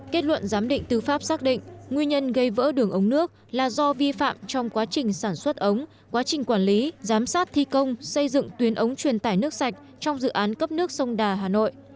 kết luận giám định tư pháp xác định nguyên nhân gây vỡ đường ống nước là do vi phạm trong quá trình sản xuất ống quá trình quản lý giám sát thi công xây dựng tuyến ống truyền tải nước sạch trong dự án cấp nước sông đà hà nội